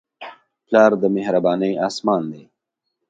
پلار د مهربانۍ اسمان دی.